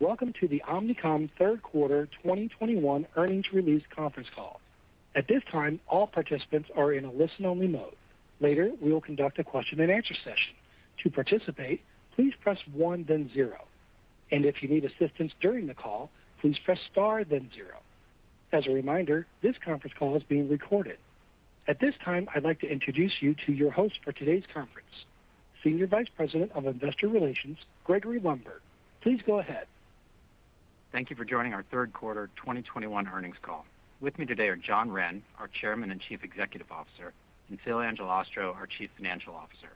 Welcome to the Omnicom Third Quarter 2021 Earnings Release Conference Call. At this time, all participants are in a listen-only mode. Later, we will conduct a question and answer session. To participate please press one then zero and if you need assistance during the call please press star then zero. As a reminder, this conference call is being recorded. At this time, I'd like to introduce you to your host for today's conference, Senior Vice President of Investor Relations, Gregory Lundberg. Please go ahead. Thank you for joining our third quarter 2021 earnings call. With me today are John Wren, our Chairman and Chief Executive Officer, and Phil Angelastro, our Chief Financial Officer.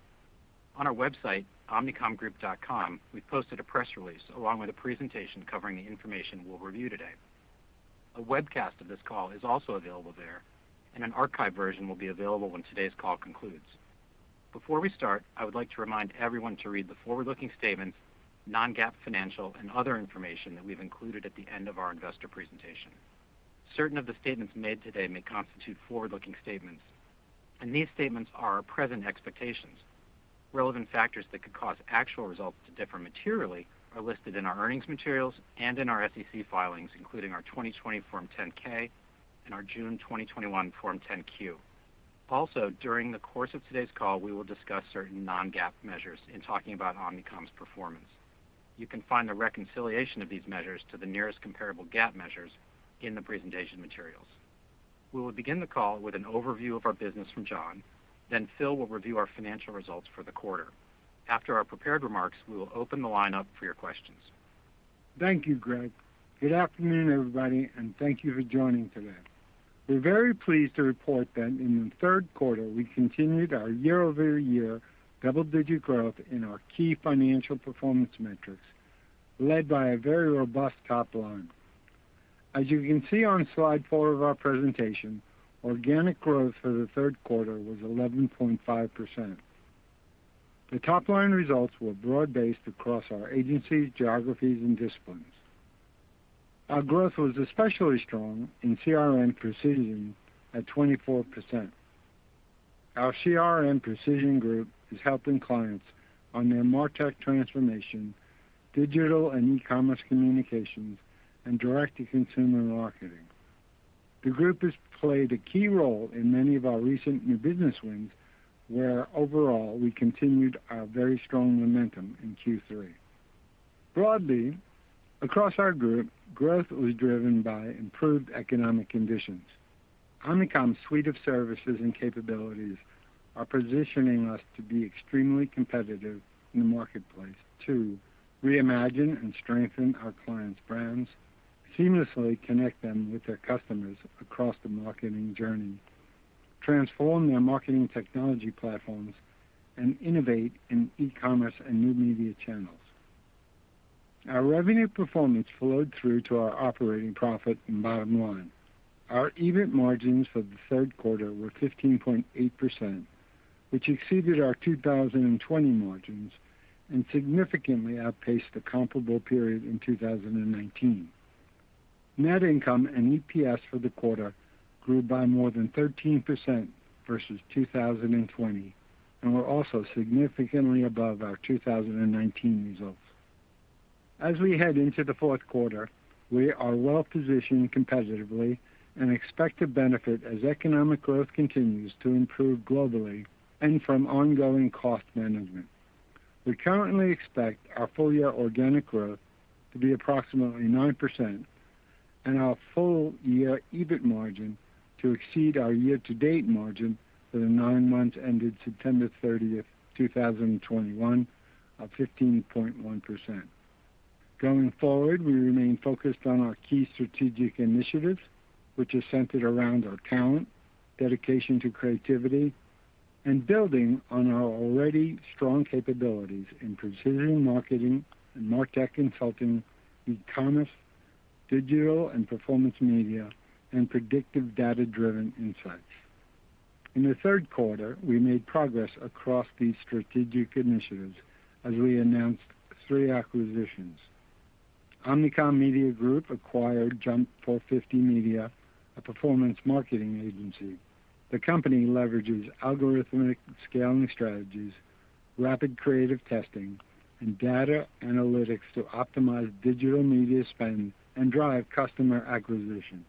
On our website, omnicomgroup.com, we posted a press release along with a presentation covering the information we'll review today. A webcast of this call is also available there, and an archive version will be available when today's call concludes. Before we start, I would like to remind everyone to read the forward-looking statements, non-GAAP financial, and other information that we've included at the end of our investor presentation. Certain of the statements made today may constitute forward-looking statements. These statements are our present expectations. Relevant factors that could cause actual results to differ materially are listed in our earnings materials and in our SEC filings, including our 2020 Form 10-K and our June 2021 Form 10-Q. Also, during the course of today's call, we will discuss certain non-GAAP measures in talking about Omnicom's performance. You can find the reconciliation of these measures to the nearest comparable GAAP measures in the presentation materials. We will begin the call with an overview of our business from John, then Phil will review our financial results for the quarter. After our prepared remarks, we will open the line up for your questions. Thank you, Greg. Good afternoon, everybody, and thank you for joining today. We're very pleased to report that in the third quarter, we continued our year-over-year double-digit growth in our key financial performance metrics, led by a very robust top line. As you can see on slide four of our presentation, organic growth for the third quarter was 11.5%. The top-line results were broad-based across our agencies, geographies, and disciplines. Our growth was especially strong in CRM Precision at 24%. Our CRM Precision Group is helping clients on their MarTech transformation, digital and e-commerce communications, and direct-to-consumer marketing. The group has played a key role in many of our recent new business wins, where overall, we continued our very strong momentum in Q3. Broadly, across our group, growth was driven by improved economic conditions. Omnicom's suite of services and capabilities are positioning us to be extremely competitive in the marketplace to reimagine and strengthen our clients' brands, seamlessly connect them with their customers across the marketing journey, transform their marketing technology platforms, and innovate in e-commerce and new media channels. Our revenue performance flowed through to our operating profit and bottom line. Our EBIT margins for the third quarter were 15.8%, which exceeded our 2020 margins and significantly outpaced the comparable period in 2019. Net income and EPS for the quarter grew by more than 13% versus 2020 and were also significantly above our 2019 results. As we head into the fourth quarter, we are well positioned competitively and expect to benefit as economic growth continues to improve globally and from ongoing cost management. We currently expect our full-year organic growth to be approximately 9% and our full-year EBIT margin to exceed our year-to-date margin for the nine months ended September 30th, 2021, of 15.1%. Going forward, we remain focused on our key strategic initiatives, which are centered around our talent, dedication to creativity, and building on our already strong capabilities in precision marketing and MarTech consulting, e-commerce, digital and performance media, and predictive data-driven insights. In the third quarter, we made progress across these strategic initiatives as we announced three acquisitions. Omnicom Media Group acquired Jump 450 Media, a performance marketing agency. The company leverages algorithmic scaling strategies, rapid creative testing, and data analytics to optimize digital media spend and drive customer acquisition.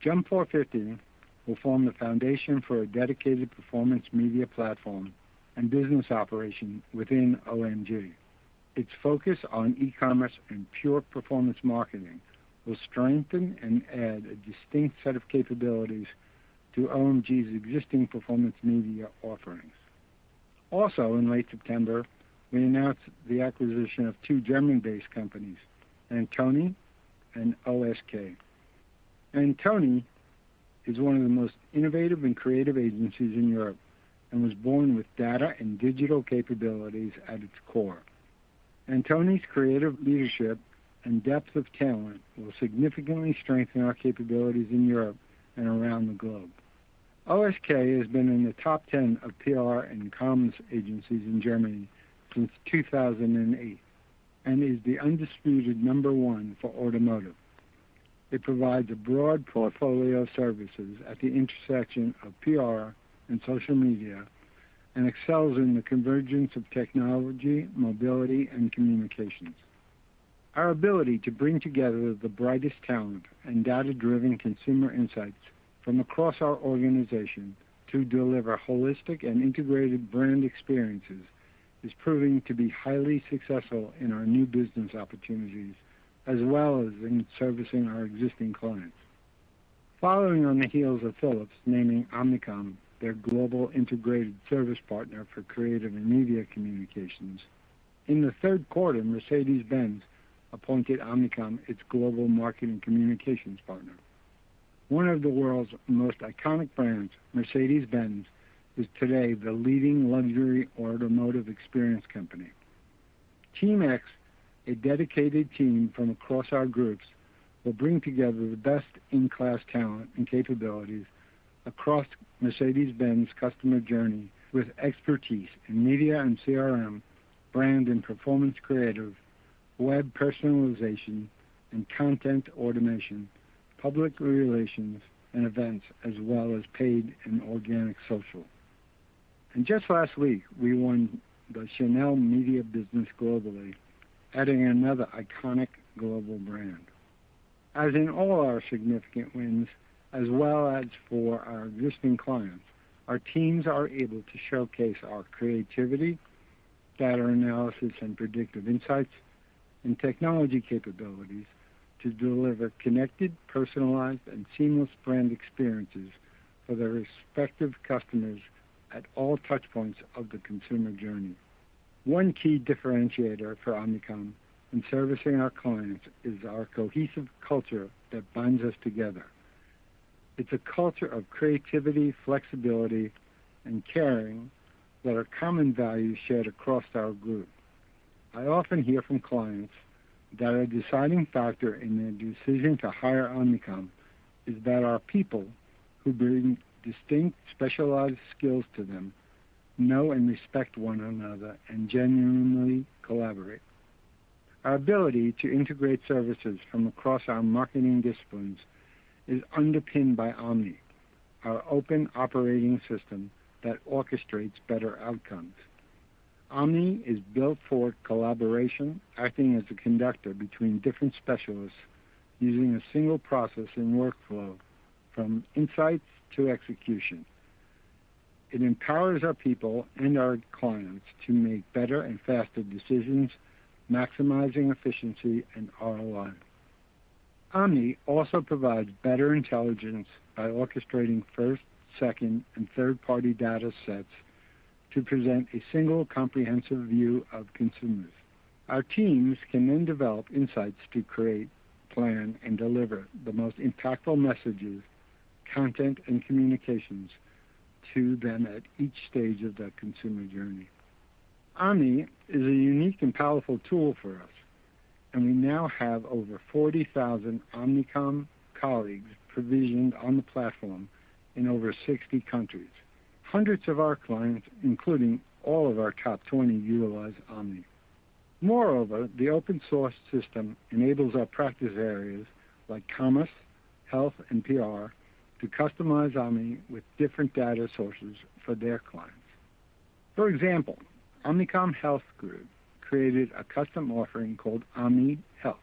Jump 450 will form the foundation for a dedicated performance media platform and business operation within OMG. Its focus on e-commerce and pure performance marketing will strengthen and add a distinct set of capabilities to OMG's existing performance media offerings. In late September, we announced the acquisition of two Germany-based companies, antoni and OSK. Antoni is one of the most innovative and creative agencies in Europe and was born with data and digital capabilities at its core. Antoni's creative leadership and depth of talent will significantly strengthen our capabilities in Europe and around the globe. OSK has been in the top 10 of PR and comms agencies in Germany since 2008 and is the undisputed number one for automotive. It provides a broad portfolio of services at the intersection of PR and social media, and excels in the convergence of technology, mobility, and communications. Our ability to bring together the brightest talent and data-driven consumer insights from across our organization to deliver holistic and integrated brand experiences is proving to be highly successful in our new business opportunities, as well as in servicing our existing clients. Following on the heels of Philips naming Omnicom their global integrated service partner for creative and media communications, in the third quarter, Mercedes-Benz appointed Omnicom its global marketing communications partner. One of the world's most iconic brands, Mercedes-Benz, is today the leading luxury automotive experience company. Team X, a dedicated team from across our groups, will bring together the best-in-class talent and capabilities across Mercedes-Benz customer journey with expertise in media and CRM, brand and performance creative, web personalization, and content automation, public relations and events, as well as paid and organic social. Just last week, we won the Chanel media business globally, adding another iconic global brand. As in all our significant wins, as well as for our existing clients, our teams are able to showcase our creativity, data analysis and predictive insights, and technology capabilities to deliver connected, personalized, and seamless brand experiences for their respective customers at all touch points of the consumer journey. One key differentiator for Omnicom in servicing our clients is our cohesive culture that binds us together. It's a culture of creativity, flexibility, and caring that are common values shared across our group. I often hear from clients that a deciding factor in their decision to hire Omnicom is that our people who bring distinct, specialized skills to them know and respect one another and genuinely collaborate. Our ability to integrate services from across our marketing disciplines is underpinned by Omni, our open operating system that orchestrates better outcomes. Omni is built for collaboration, acting as a conductor between different specialists using a single process and workflow from insights to execution. It empowers our people and our clients to make better and faster decisions, maximizing efficiency and ROI. Omni also provides better intelligence by orchestrating first, second, and third-party data sets to present a single comprehensive view of consumers. Our teams can then develop insights to create, plan, and deliver the most impactful messages, content, and communications to them at each stage of their consumer journey. Omni is a unique and powerful tool for us, and we now have over 40,000 Omnicom colleagues provisioned on the platform in over 60 countries. Hundreds of our clients, including all of our top 20, utilize Omni. Moreover, the open source system enables our practice areas like commerce, health, and PR to customize Omni with different data sources for their clients. For example, Omnicom Health Group created a custom offering called Omni Health.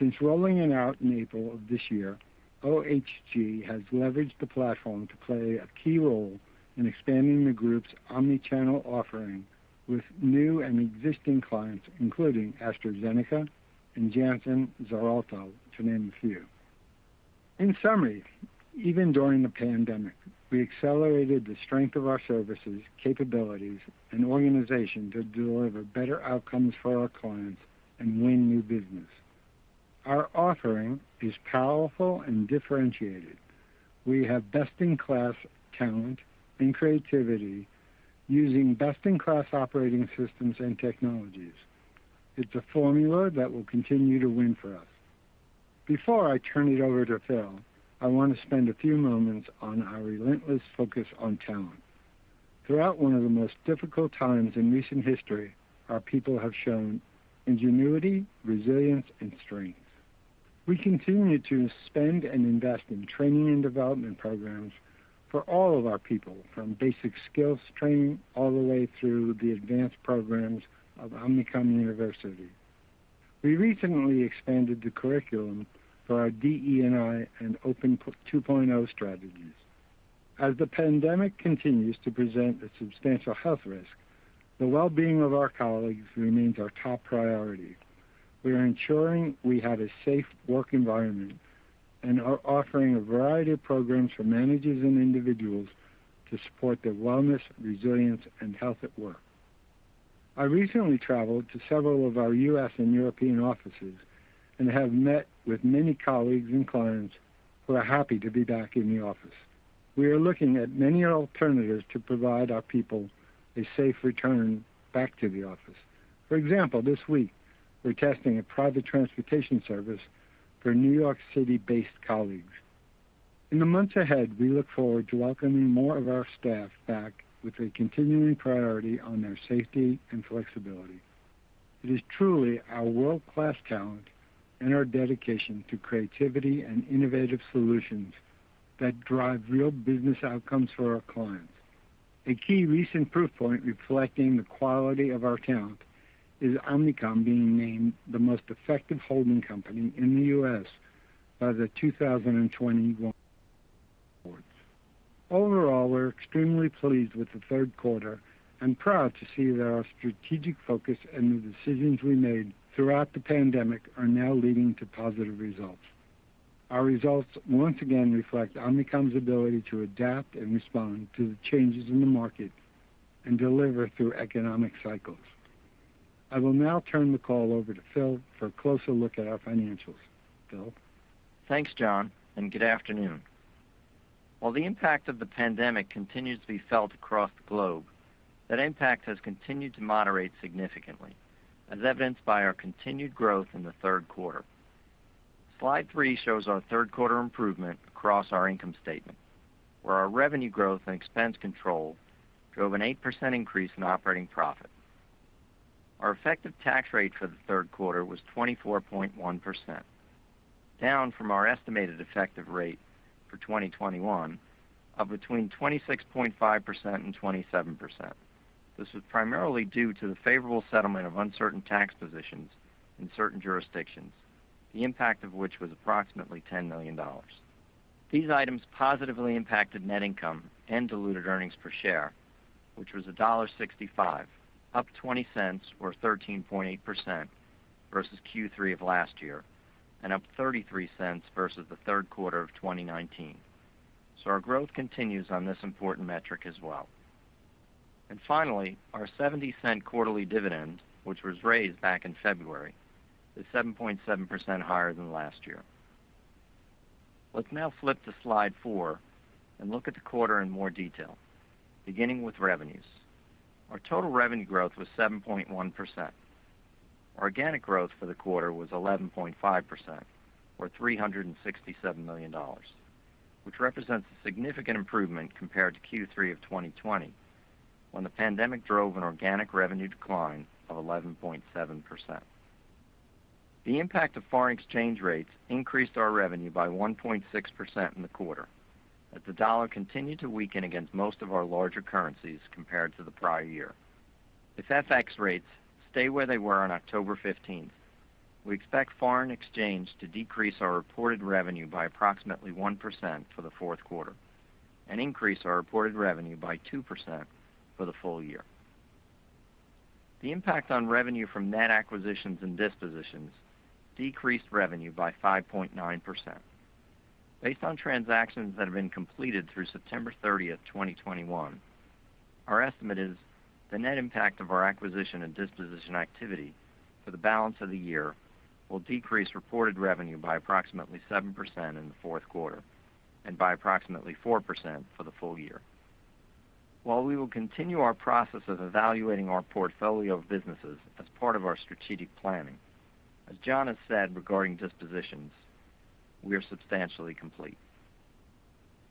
Since rolling it out in April of this year, OHG has leveraged the platform to play a key role in expanding the group's omnichannel offering with new and existing clients, including AstraZeneca and Janssen XARELTO, to name a few. In summary, even during the pandemic, we accelerated the strength of our services, capabilities, and organization to deliver better outcomes for our clients and win new business. Our offering is powerful and differentiated. We have best-in-class talent and creativity using best-in-class operating systems and technologies. It's a formula that will continue to win for us. Before I turn it over to Phil, I want to spend a few moments on our relentless focus on talent. Throughout one of the most difficult times in recent history, our people have shown ingenuity, resilience, and strength. We continue to spend and invest in training and development programs for all of our people, from basic skills training all the way through the advanced programs of Omnicom University. We recently expanded the curriculum for our DE&I and OPEN 2.0 strategies. As the pandemic continues to present a substantial health risk, the wellbeing of our colleagues remains our top priority. We are ensuring we have a safe work environment and are offering a variety of programs for managers and individuals to support their wellness, resilience, and health at work. I recently traveled to several of our U.S. and European offices and have met with many colleagues and clients who are happy to be back in the office. We are looking at many alternatives to provide our people a safe return back to the office. For example, this week, we're testing a private transportation service for New York City-based colleagues. In the months ahead, we look forward to welcoming more of our staff back with a continuing priority on their safety and flexibility. It is truly our world-class talent and our dedication to creativity and innovative solutions that drive real business outcomes for our clients. A key recent proof point reflecting the quality of our talent is Omnicom being named the most effective holding company in the U.S. by the 2021 awards. Overall, we're extremely pleased with the third quarter and proud to see that our strategic focus and the decisions we made throughout the pandemic are now leading to positive results. Our results once again reflect Omnicom's ability to adapt and respond to the changes in the market and deliver through economic cycles. I will now turn the call over to Phil for a closer look at our financials. Phil? Thanks, John. Good afternoon. While the impact of the pandemic continues to be felt across the globe, that impact has continued to moderate significantly, as evidenced by our continued growth in the third quarter. Slide three shows our third quarter improvement across our income statement, where our revenue growth and expense control drove an 8% increase in operating profit. Our effective tax rate for the third quarter was 24.1%, down from our estimated effective rate for 2021 of between 26.5% and 27%. This was primarily due to the favorable settlement of uncertain tax positions in certain jurisdictions, the impact of which was approximately $10 million. These items positively impacted net income and diluted earnings per share, which was $1.65, up $0.20 or 13.8% versus Q3 of last year, and up $0.33 versus the third quarter of 2019. Our growth continues on this important metric as well. Finally, our $0.70 quarterly dividend, which was raised back in February, is 7.7% higher than last year. Let's now flip to slide four and look at the quarter in more detail, beginning with revenues. Our total revenue growth was 7.1%. Organic growth for the quarter was 11.5%, or $367 million, which represents a significant improvement compared to Q3 2020, when the pandemic drove an organic revenue decline of 11.7%. The impact of foreign exchange rates increased our revenue by 1.6% in the quarter, as the dollar continued to weaken against most of our larger currencies compared to the prior year. If FX rates stay where they were on October 15th, we expect foreign exchange to decrease our reported revenue by approximately 1% for the fourth quarter and increase our reported revenue by 2% for the full year. The impact on revenue from net acquisitions and dispositions decreased revenue by 5.9%. Based on transactions that have been completed through September 30th, 2021, our estimate is the net impact of our acquisition and disposition activity for the balance of the year will decrease reported revenue by approximately 7% in the fourth quarter and by approximately 4% for the full year. While we will continue our process of evaluating our portfolio of businesses as part of our strategic planning, as John has said regarding dispositions, we are substantially complete.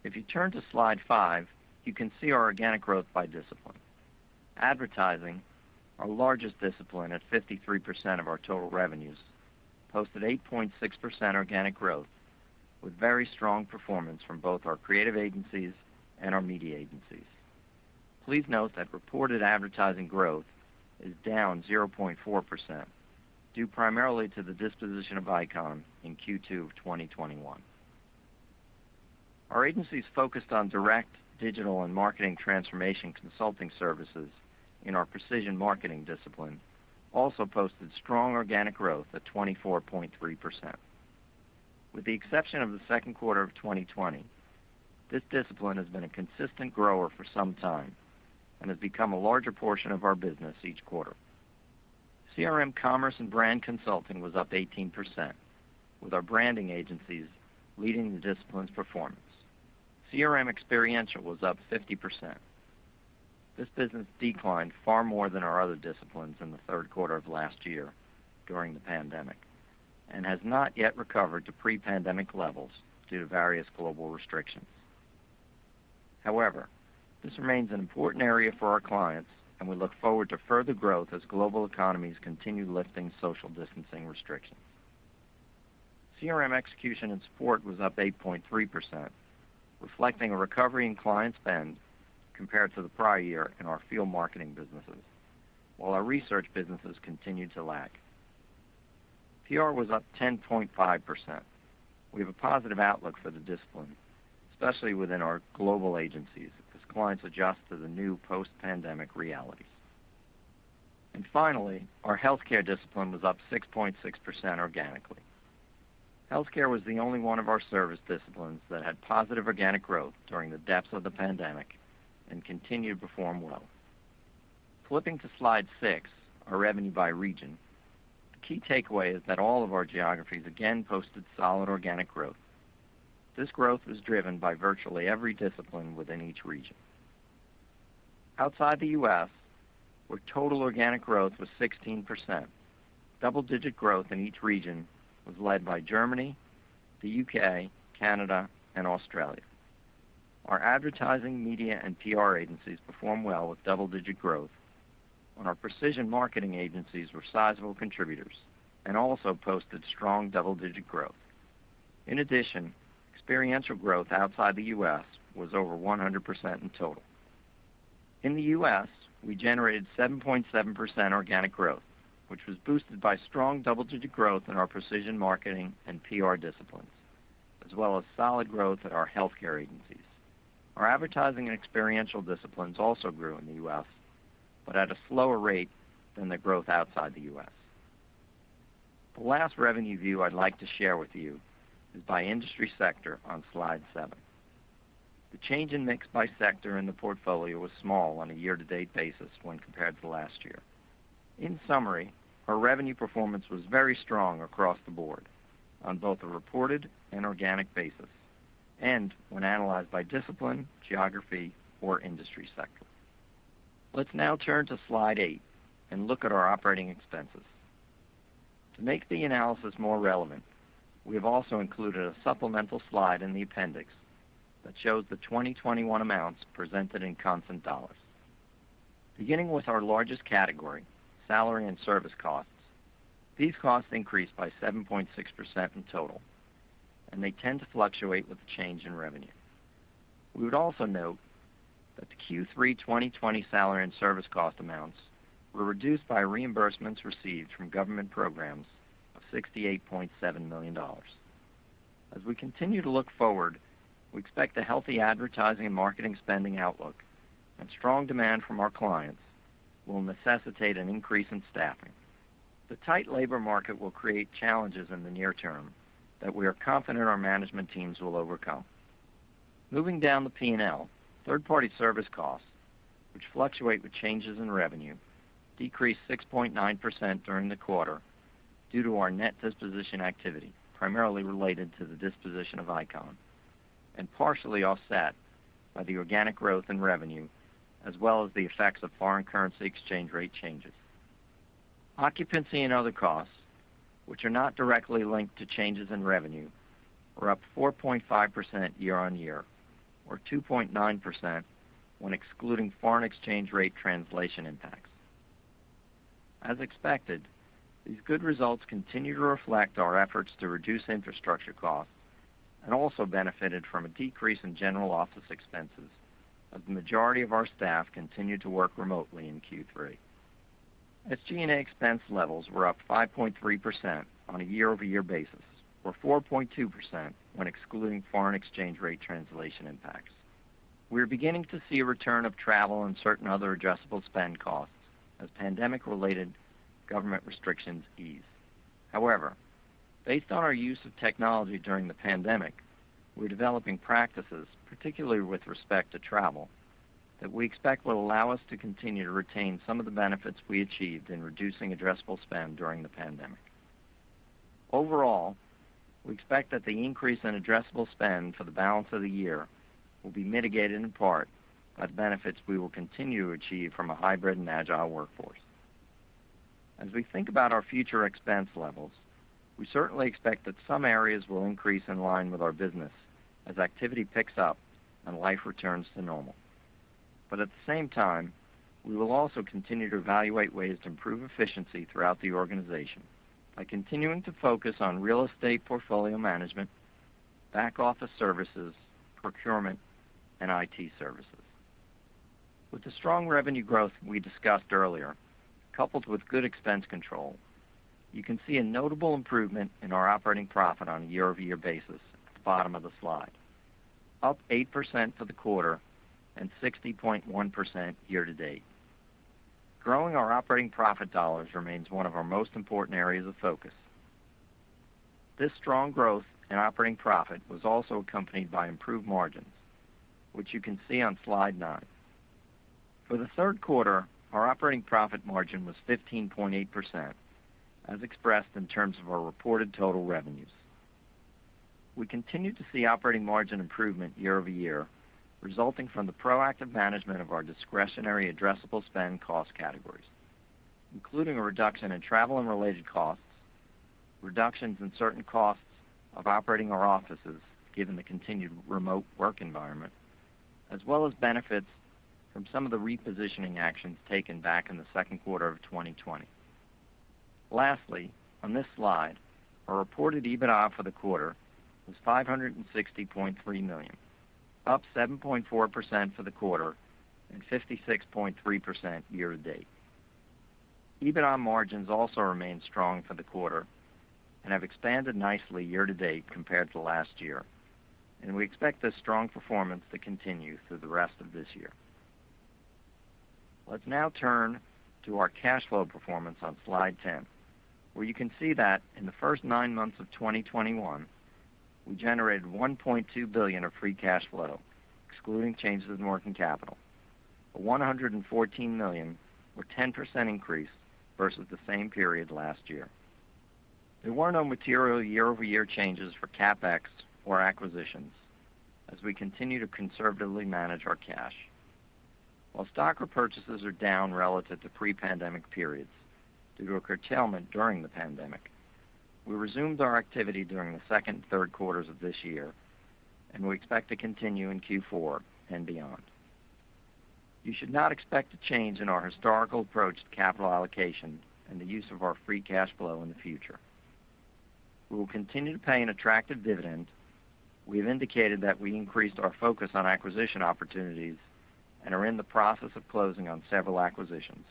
If you turn to slide five, you can see our organic growth by discipline. Advertising, our largest discipline at 53% of our total revenues, posted 8.6% organic growth with very strong performance from both our creative agencies and our media agencies. Please note that reported advertising growth is down 0.4%, due primarily to the disposition of ICON in Q2 of 2021. Our agencies focused on direct digital and marketing transformation consulting services in our precision marketing discipline also posted strong organic growth at 24.3%. With the exception of the second quarter of 2020, this discipline has been a consistent grower for some time and has become a larger portion of our business each quarter. CRM commerce and brand consulting was up 18%, with our branding agencies leading the discipline's performance. CRM experiential was up 50%. This business declined far more than our other disciplines in the third quarter of last year during the pandemic and has not yet recovered to pre-pandemic levels due to various global restrictions. However, this remains an important area for our clients, and we look forward to further growth as global economies continue lifting social distancing restrictions. CRM execution and support was up 8.3%, reflecting a recovery in client spend compared to the prior year in our field marketing businesses while our research businesses continued to lag. PR was up 10.5%. We have a positive outlook for the discipline, especially within our global agencies as clients adjust to the new post-pandemic realities. Finally, our healthcare discipline was up 6.6% organically. Healthcare was the only one of our service disciplines that had positive organic growth during the depths of the pandemic and continued to perform well. Flipping to slide six, our revenue by region. The key takeaway is that all of our geographies again posted solid organic growth. This growth was driven by virtually every discipline within each region. Outside the U.S., where total organic growth was 16%. Double-digit growth in each region was led by Germany, the U.K., Canada, and Australia. Our advertising media and PR agencies performed well with double-digit growth, and our precision marketing agencies were sizable contributors and also posted strong double-digit growth. In addition, experiential growth outside the U.S. was over 100% in total. In the U.S., we generated 7.7% organic growth, which was boosted by strong double-digit growth in our precision marketing and PR disciplines, as well as solid growth at our healthcare agencies. Our advertising and experiential disciplines also grew in the U.S., but at a slower rate than the growth outside the U.S. The last revenue view I'd like to share with you is by industry sector on slide seven. The change in mix by sector in the portfolio was small on a year-to-date basis when compared to last year. In summary, our revenue performance was very strong across the board on both a reported and organic basis, and when analyzed by discipline, geography, or industry sector. Let's now turn to slide eight and look at our operating expenses. To make the analysis more relevant, we have also included a supplemental slide in the appendix that shows the 2021 amounts presented in constant dollars. Beginning with our largest category, salary and service costs. These costs increased by 7.6% in total, and they tend to fluctuate with the change in revenue. We would also note that the Q3 2020 salary and service cost amounts were reduced by reimbursements received from government programs of $68.7 million. As we continue to look forward, we expect a healthy advertising and marketing spending outlook, and strong demand from our clients will necessitate an increase in staffing. The tight labor market will create challenges in the near term that we are confident our management teams will overcome. Moving down the P&L, third-party service costs, which fluctuate with changes in revenue, decreased 6.9% during the quarter due to our net disposition activity, primarily related to the disposition of ICON, and partially offset by the organic growth in revenue, as well as the effects of foreign currency exchange rate changes. Occupancy and other costs, which are not directly linked to changes in revenue, were up 4.5% year-on-year, or 2.9% when excluding foreign exchange rate translation impacts. As expected, these good results continue to reflect our efforts to reduce infrastructure costs and also benefited from a decrease in general office expenses as the majority of our staff continued to work remotely in Q3. SG&A expense levels were up 5.3% on a year-over-year basis, or 4.2% when excluding foreign exchange rate translation impacts. We are beginning to see a return of travel and certain other adjustable spend costs as pandemic-related government restrictions ease. However, based on our use of technology during the pandemic, we're developing practices, particularly with respect to travel, that we expect will allow us to continue to retain some of the benefits we achieved in reducing addressable spend during the pandemic. Overall, we expect that the increase in addressable spend for the balance of the year will be mitigated in part by the benefits we will continue to achieve from a hybrid and agile workforce. As we think about our future expense levels, we certainly expect that some areas will increase in line with our business as activity picks up and life returns to normal. At the same time, we will also continue to evaluate ways to improve efficiency throughout the organization by continuing to focus on real estate portfolio management, back office services, procurement, and IT services. With the strong revenue growth we discussed earlier, coupled with good expense control, you can see a notable improvement in our operating profit on a year-over-year basis at the bottom of the slide. Up 8% for the quarter and 60.1% year to date. Growing our operating profit dollars remains one of our most important areas of focus. This strong growth in operating profit was also accompanied by improved margins, which you can see on slide nine. For the third quarter, our operating profit margin was 15.8%, as expressed in terms of our reported total revenues. We continued to see operating margin improvement year-over-year, resulting from the proactive management of our discretionary addressable spend cost categories, including a reduction in travel and related costs, reductions in certain costs of operating our offices given the continued remote work environment, as well as benefits from some of the repositioning actions taken back in the second quarter of 2020. Lastly, on this slide, our reported EBITDA for the quarter was $560.3 million, up 7.4% for the quarter and 56.3% year to date. EBITDA margins also remained strong for the quarter and have expanded nicely year to date compared to last year. We expect this strong performance to continue through the rest of this year. Let's now turn to our cash flow performance on slide 10, where you can see that in the first nine months of 2021, we generated $1.2 billion of free cash flow, excluding changes in working capital, a $114 million or 10% increase versus the same period last year. There were no material year-over-year changes for CapEx or acquisitions as we continue to conservatively manage our cash. While stock repurchases are down relative to pre-pandemic periods due to a curtailment during the pandemic, we resumed our activity during the second and third quarters of this year, and we expect to continue in Q4 and beyond. You should not expect a change in our historical approach to capital allocation and the use of our free cash flow in the future. We will continue to pay an attractive dividend. We have indicated that we increased our focus on acquisition opportunities and are in the process of closing on several acquisitions.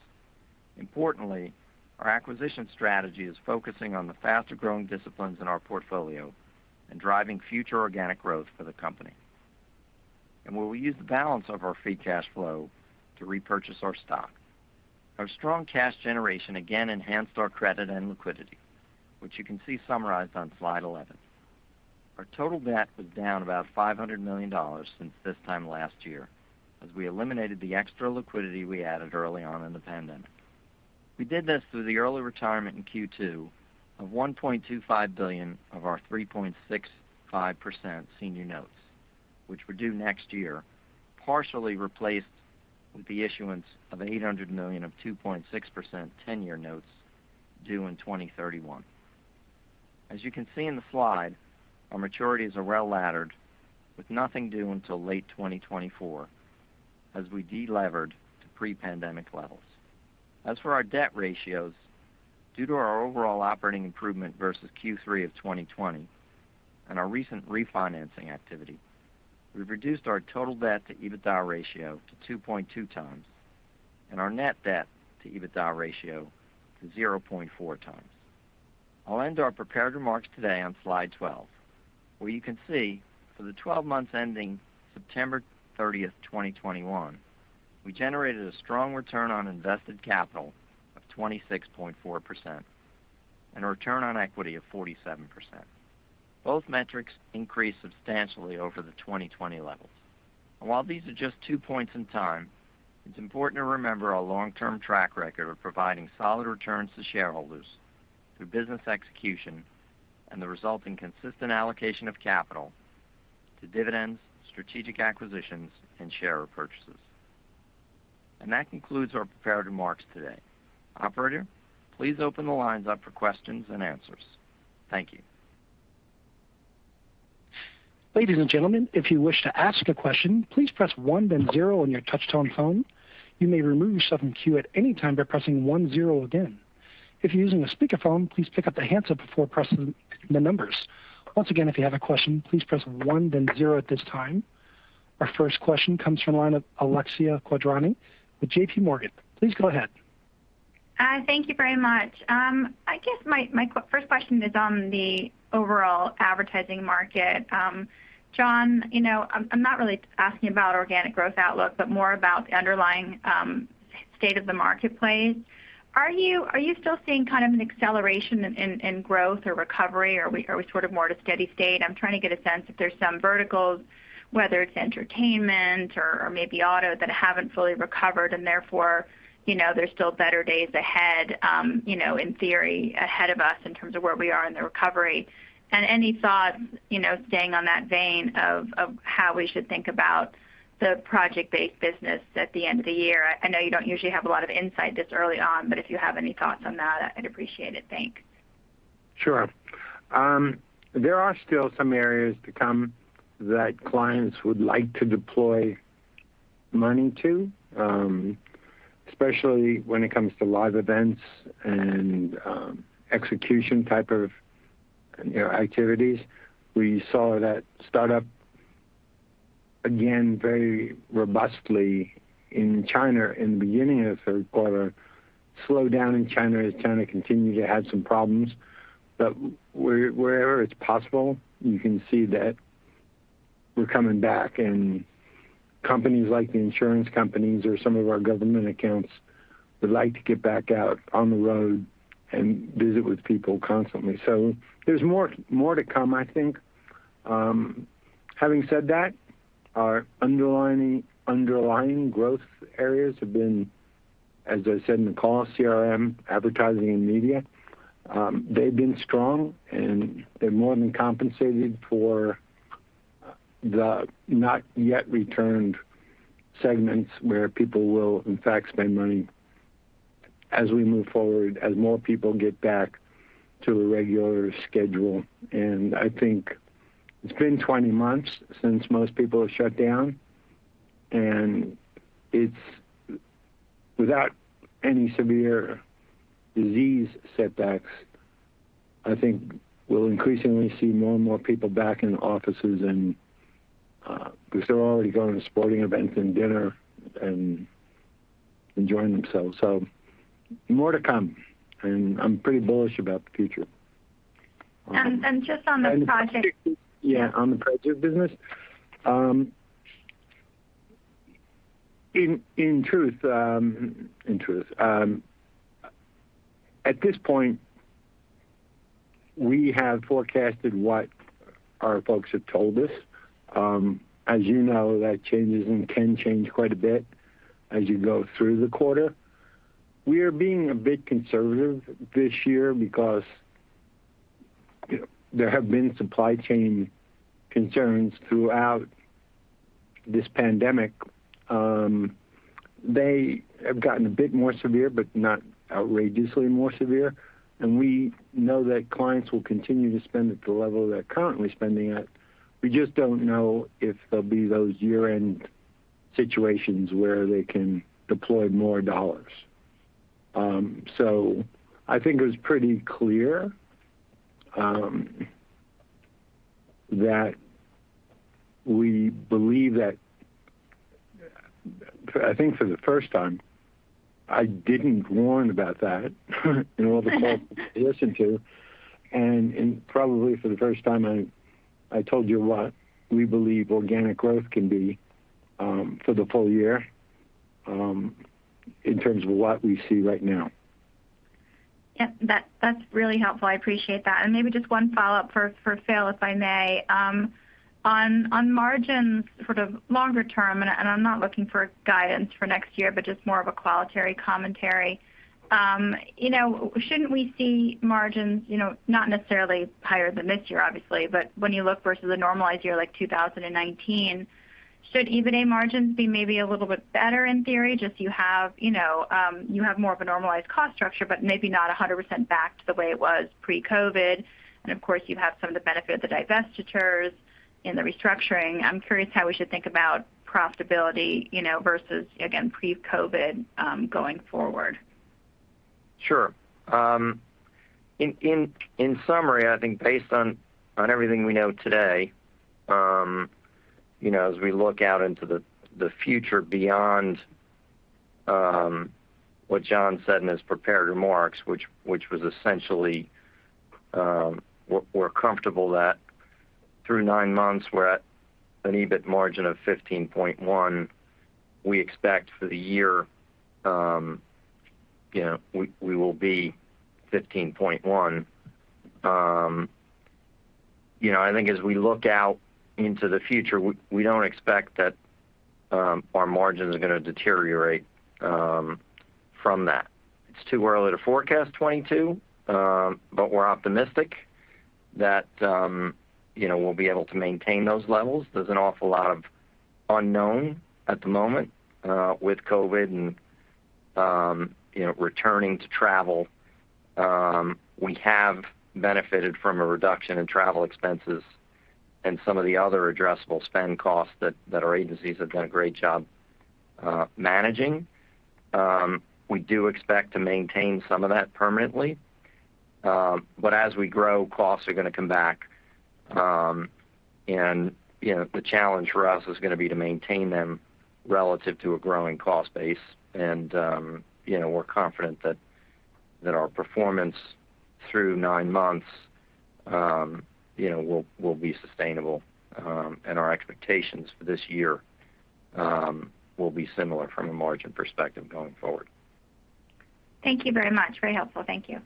Our acquisition strategy is focusing on the faster-growing disciplines in our portfolio and driving future organic growth for the company. We will use the balance of our free cash flow to repurchase our stock. Our strong cash generation again enhanced our credit and liquidity, which you can see summarized on slide 11. Our total debt was down about $500 million since this time last year, as we eliminated the extra liquidity we added early on in the pandemic. We did this through the early retirement in Q2 of $1.25 billion of our 3.65% senior notes, which were due next year, partially replaced with the issuance of $800 million of 2.6% 10-year notes due in 2031.As you can see in the slide, our maturities are well-laddered with nothing due until late 2024 as we de-levered to pre-pandemic levels. As for our debt ratios, due to our overall operating improvement versus Q3 of 2020 and our recent refinancing activity, we've reduced our total debt to EBITDA ratio to 2.2x and our net debt to EBITDA ratio to 0.4x. I'll end our prepared remarks today on slide 12, where you can see for the 12 months ending September 30th, 2021, we generated a strong return on invested capital of 26.4% and a return on equity of 47%. Both metrics increased substantially over the 2020 levels. While these are just two points in time, it's important to remember our long-term track record of providing solid returns to shareholders through business execution and the resulting consistent allocation of capital to dividends, strategic acquisitions and share repurchases. That concludes our prepared remarks today. Operator, please open the lines up for questions and answers. Thank you. Ladies and gentlemen, If you wish to ask a question, please press one then zero on your touchtone phone. You may remove yourself in queue anytime by pressing one zero again. If you are using a speakerphone, please pick up the handset before pressing the numbers. Once again, if you have a question press one then zero at this time. Our first question comes from the line of Alexia Quadrani with JPMorgan. Please go ahead. Hi. Thank you very much. I guess my first question is on the overall advertising market. John, I'm not really asking about organic growth outlook, but more about the underlying state of the marketplace. Are you still seeing kind of an acceleration in growth or recovery, or are we sort of more at a steady state? I'm trying to get a sense if there's some verticals, whether it's entertainment or maybe auto, that haven't fully recovered, and therefore, there's still better days ahead, in theory, ahead of us in terms of where we are in the recovery. Any thoughts, staying on that vein, of how we should think about the project-based business at the end of the year? I know you don't usually have a lot of insight this early on, but if you have any thoughts on that, I'd appreciate it. Thanks. Sure. There are still some areas to come that clients would like to deploy money to, especially when it comes to live events and execution type of activities. We saw that start up again very robustly in China in the beginning of the quarter. Slowdown in China as China continues to have some problems. Wherever it's possible, you can see that we're coming back and companies like the insurance companies or some of our government accounts would like to get back out on the road and visit with people constantly. There's more to come, I think. Having said that, our underlying growth areas have been, as I said in the call, CRM, advertising, and media. They've been strong, they've more than compensated for the not yet returned segments where people will in fact spend money as we move forward, as more people get back to a regular schedule. I think it's been 20 months since most people have shut down, and without any severe disease setbacks, I think we'll increasingly see more and more people back in offices because they're already going to sporting events and dinner and enjoying themselves. More to come, and I'm pretty bullish about the future. And just on the project- Yeah, on the project business. In truth, at this point, we have forecasted what. Our folks have told us. As you know, that changes and can change quite a bit as you go through the quarter. We are being a bit conservative this year because there have been supply chain concerns throughout this pandemic. They have gotten a bit more severe, but not outrageously more severe, and we know that clients will continue to spend at the level they're currently spending at. We just don't know if there'll be those year-end situations where they can deploy more dollars. I think it was pretty clear that we believe that. I think for the first time, I didn't warn about that, in all the calls we listen to, and probably for the first time, I told you what we believe organic growth can be for the full year in terms of what we see right now. Yep. That's really helpful. I appreciate that. Maybe just one follow-up for Phil, if I may. On margins sort of longer term, and I'm not looking for guidance for next year, but just more of a qualitative commentary. Shouldn't we see margins, not necessarily higher than this year, obviously, but when you look versus a normal year like 2019, should EBIT margins be maybe a little bit better in theory? Just you have more of a normalized cost structure, but maybe not 100% back to the way it was pre-COVID. Of course, you have some of the benefit of the divestitures and the restructuring. I'm curious how we should think about profitability versus, again, pre-COVID, going forward. Sure. In summary, I think based on everything we know today, as we look out into the future beyond what John said in his prepared remarks, which was essentially we're comfortable that through nine months, we're at an EBIT margin of 15.1%. We expect for the year we will be 15.1%. I think as we look out into the future, we don't expect that our margins are going to deteriorate from that. It's too early to forecast 2022, but we're optimistic that we'll be able to maintain those levels. There's an awful lot of unknown at the moment with COVID and returning to travel. We have benefited from a reduction in travel expenses and some of the other addressable spend costs that our agencies have done a great job managing. We do expect to maintain some of that permanently. As we grow, costs are going to come back, and the challenge for us is going to be to maintain them relative to a growing cost base. We're confident that our performance through nine months will be sustainable, and our expectations for this year will be similar from a margin perspective going forward. Thank you very much. Very helpful. Thank you.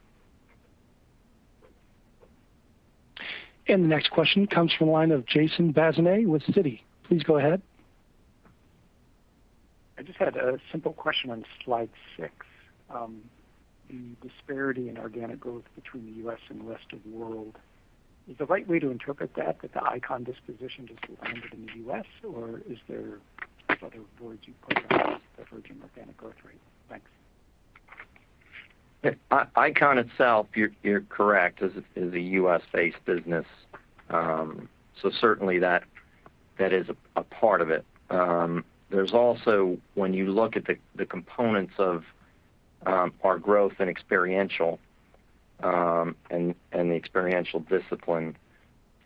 The next question comes from the line of Jason Bazinet with Citi. Please go ahead. I just had a simple question on slide six. The disparity in organic growth between the U.S. and the rest of the world. Is the right way to interpret that the ICON disposition just landed in the U.S., or is there some other thoughts you put on the diverging organic growth rate? Thanks. ICON itself, you're correct, is a US based business. Certainly that is a part of it. There's also, when you look at the components of our growth and experiential and the experiential discipline,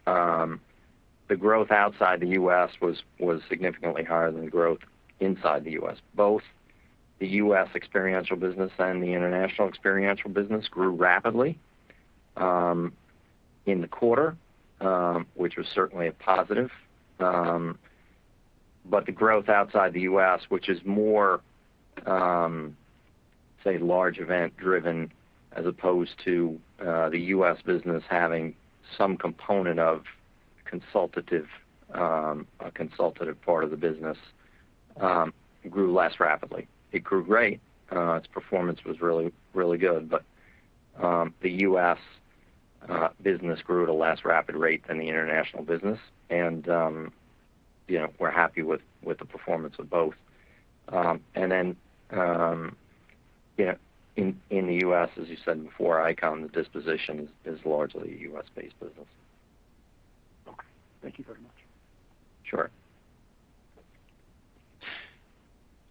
the growth outside the U.S. was significantly higher than growth inside the U.S. Both the US experiential business and the international experiential business grew rapidly in the quarter, which was certainly a positive. The growth outside the U.S., which is more, say, large event-driven, as opposed to the US business having some component of a consultative part of the business, grew less rapidly. It grew great. Its performance was really good. The US business grew at a less rapid rate than the international business. We're happy with the performance of both. In the U.S., as you said before, ICON, the disposition is largely a US based business. Okay. Thank you very much. Sure.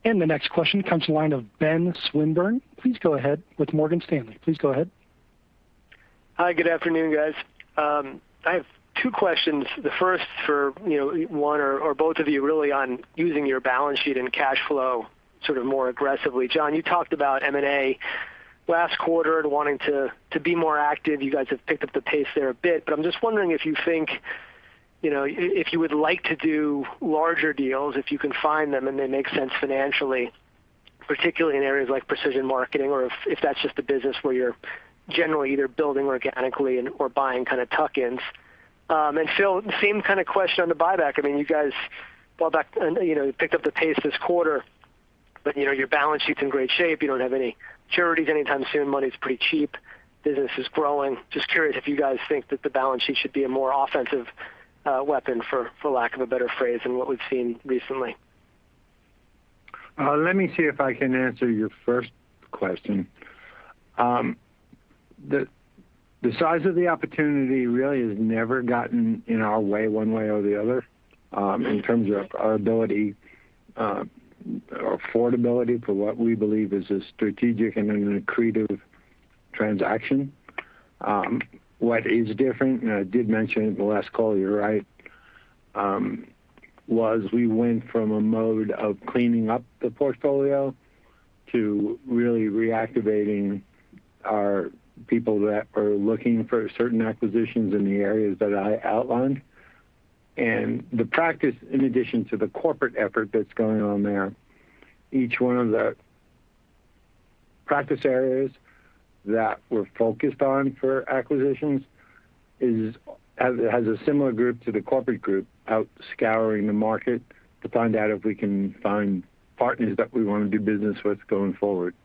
The next question comes to the line of Ben Swinburne. Please go ahead, with Morgan Stanley. Hi. Good afternoon, guys. I have two questions. The first for one or both of you, really on using your balance sheet and cash flow sort of more aggressively. John, you talked about M&A last quarter and wanting to be more active. You guys have picked up the pace there a bit, but I'm just wondering if you would like to do larger deals, if you can find them and they make sense financially. Particularly in areas like precision marketing, or if that's just a business where you're generally either building organically or buying tuck-ins. Phil, same kind of question on the buyback. You guys bought back and picked up the pace this quarter, but your balance sheet's in great shape. You don't have any maturities anytime soon. Money's pretty cheap. Business is growing. Just curious if you guys think that the balance sheet should be a more offensive weapon, for lack of a better phrase, than what we've seen recently. Let me see if I can answer your first question. The size of the opportunity really has never gotten in our way, one way or the other, in terms of our ability, our affordability for what we believe is a strategic and an accretive transaction. What is different, and I did mention it in the last call, you're right, was we went from a mode of cleaning up the portfolio to really reactivating our people that are looking for certain acquisitions in the areas that I outlined. The practice, in addition to the corporate effort that's going on there, each one of the practice areas that we're focused on for acquisitions has a similar group to the corporate group out scouring the market to find out if we can find partners that we want to do business with going forward.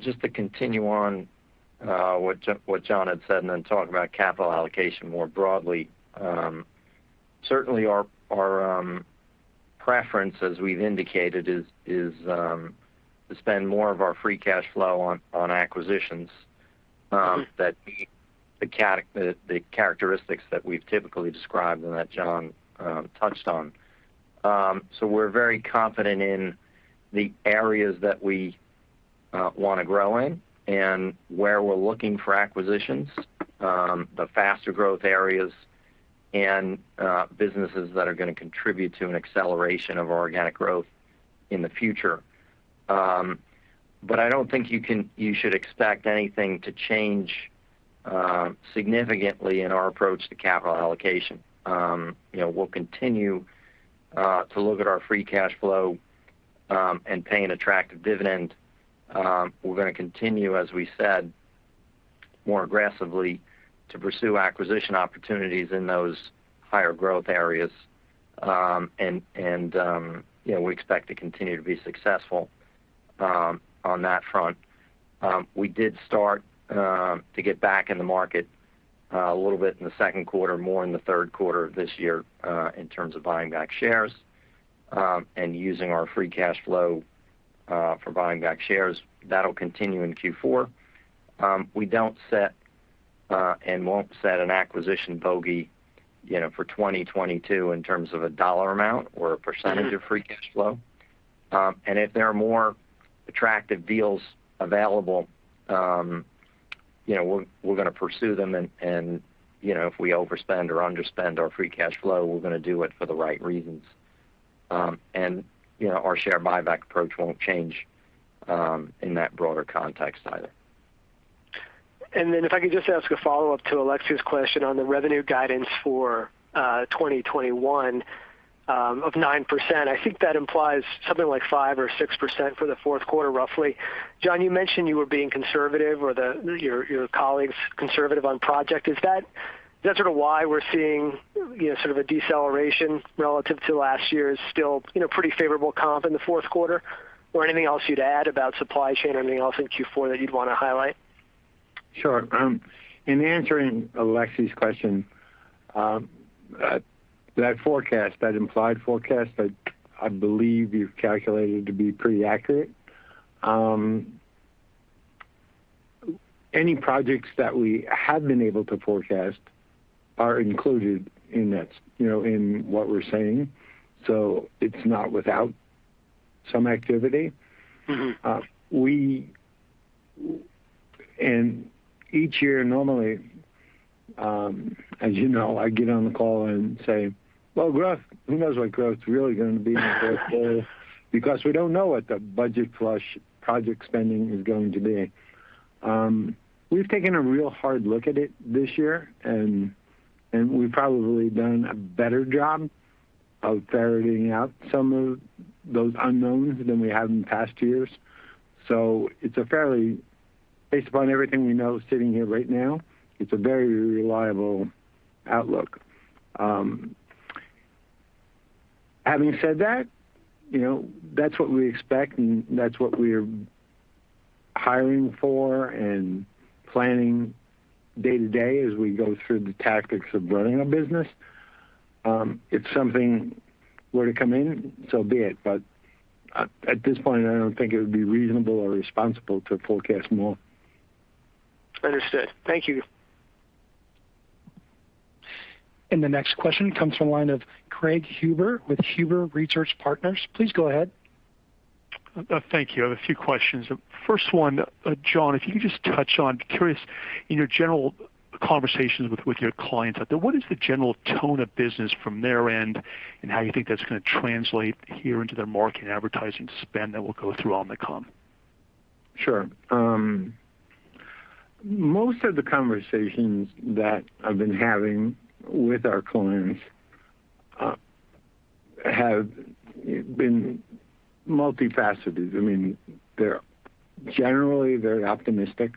Just to continue on what John had said, and then talk about capital allocation more broadly. Certainly our preference, as we've indicated, is to spend more of our free cash flow on acquisitions that meet the characteristics that we've typically described and that John touched on. We're very confident in the areas that we want to grow in and where we're looking for acquisitions, the faster growth areas and businesses that are going to contribute to an acceleration of organic growth in the future. I don't think you should expect anything to change significantly in our approach to capital allocation. We'll continue to look at our free cash flow and pay an attractive dividend. We're going to continue, as we said, more aggressively to pursue acquisition opportunities in those higher growth areas. We expect to continue to be successful on that front. We did start to get back in the market a little bit in the second quarter, more in the third quarter of this year, in terms of buying back shares, and using our free cash flow for buying back shares. That'll continue in Q4. We don't set, and won't set an acquisition bogey for 2022 in terms of a dollar amount or a percentage of free cash flow. If there are more attractive deals available, we're going to pursue them. If we overspend or underspend our free cash flow, we're going to do it for the right reasons. Our share buyback approach won't change in that broader context either. If I could just ask a follow-up to Alexia's question on the revenue guidance for 2021 of 9%, I think that implies something like 5% or 6% for the fourth quarter, roughly. John, you mentioned you were being conservative, or your colleagues, conservative on project. Is that sort of why we're seeing sort of a deceleration relative to last year's still pretty favorable comp in the fourth quarter? Anything else you'd add about supply chain or anything else in Q4 that you'd want to highlight? Sure. In answering Alexia's question, that forecast, that implied forecast, I believe you've calculated to be pretty accurate. Any projects that we have been able to forecast are included in what we're saying. It's not without some activity. Each year, normally, as you know, I get on the call and say, "Well, who knows what growth's really going to be in the fourth quarter?" We don't know what the budget flush project spending is going to be. We've taken a real hard look at it this year, and we've probably done a better job of ferreting out some of those unknowns than we have in past years. Based upon everything we know sitting here right now, it's a very reliable outlook. Having said that's what we expect, and that's what we're hiring for and planning day to day as we go through the tactics of running a business. If something were to come in, so be it, but at this point, I don't think it would be reasonable or responsible to forecast more. Understood. Thank you. The next question comes from the line of Craig Huber with Huber Research Partners. Please go ahead. Thank you. I have a few questions. First one, John, if you could just touch on, curious in your general conversations with your clients out there, what is the general tone of business from their end, and how you think that's going to translate here into their marketing advertising spend that will go through Omnicom? Sure. Most of the conversations that I've been having with our clients have been multifaceted. They're generally very optimistic